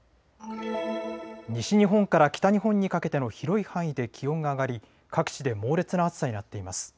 西日本から北日本にかけての広い範囲で気温が上がり各地で猛烈な暑さになっています。